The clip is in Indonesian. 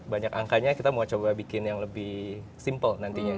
banyak angkanya kita mau coba bikin yang lebih simpel nantinya